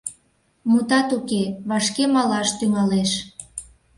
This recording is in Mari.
Мутат уке, вашке малаш тӱҥалеш.